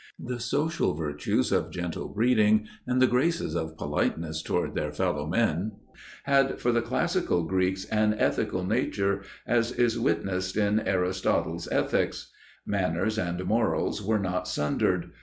The social virtues of gentle breeding and the graces of politeness toward their fellow men had for the classical Greeks an ethical nature, as is witnessed in Aristotle's Ethics. Manners and morals were not sundered.